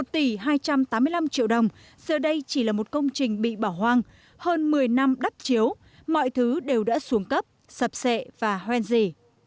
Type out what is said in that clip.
một tỷ hai trăm tám mươi năm triệu đồng giờ đây chỉ là một công trình bị bỏ hoang hơn một mươi năm đắp chiếu mọi thứ đều đã xuống cấp sập sệ và hoen gì